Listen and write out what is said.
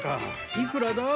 いくらだ？